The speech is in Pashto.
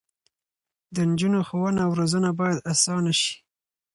د نجونو ښوونه او روزنه باید اسانه شي.